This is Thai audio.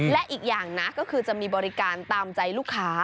และอีกอย่างนะก็คือจะมีบริการตามใจลูกค้า